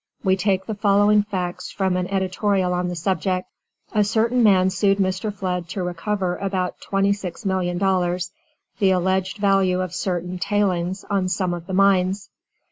We take the following facts from an editorial on the subject: "A certain man sued Mr. Flood to recover about $26,000,000, the alleged value of certain 'tailings' on some of the mines.